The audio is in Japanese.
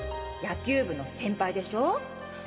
野球部の先輩でしょ。